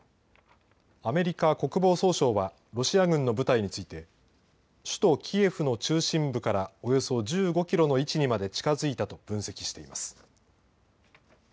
アメリカ国防総省はロシア軍の部隊について、首都キエフの中心部からおよそ１５キロの位置にまで近づいたと分析しています。